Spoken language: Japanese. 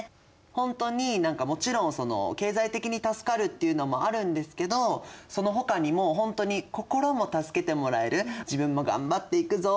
ほんとに何かもちろん経済的に助かるっていうのもあるんですけどそのほかにもほんとに心も助けてもらえる自分も頑張っていくぞ！